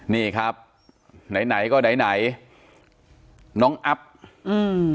นี่ครับไหนไหนก็ไหนไหนน้องอัพอืม